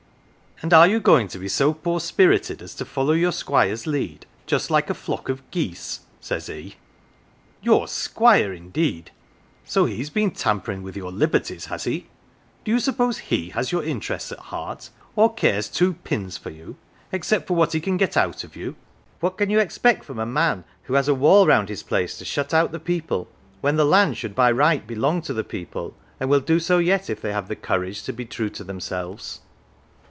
"'And are you going to be so poor spirited as to follow your Squire's lead just like a flock of geese?' says he. ' Your Squire indeed ! So he's been tampering with your liberties, has he ? Do you suppose he has your interests at heart, or cares two pins for you, except for what he can get out of you ? What can you expect from a man who has a wall round his place to shut out the people, when the land should by right belong to the people, and will do so yet if they have the courage to be true to themselves.'